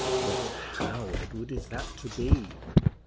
"But how, Edward, is that to be?"